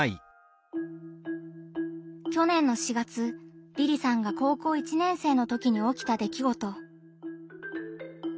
去年の４月りりさんが高校１年生のときにおきたできごと。